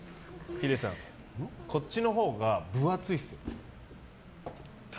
ヒデさん、こっちのほうが分厚いです。